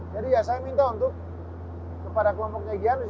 jadi ya saya minta untuk kepada kelompoknya giannis